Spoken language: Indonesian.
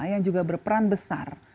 yang juga berperan besar